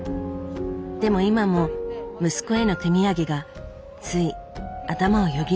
でも今も息子への手土産がつい頭をよぎるみたい。